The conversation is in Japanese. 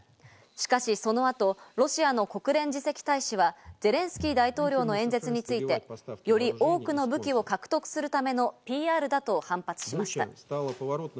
しかし、そのあとロシアの国連次席大使はゼレンスキー大統領の演説についてより多くの武器を獲得するためのＰＲだと反発しました。